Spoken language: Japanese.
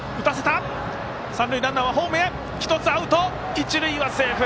一塁はセーフ。